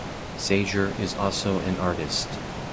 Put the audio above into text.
Sager is also an artist.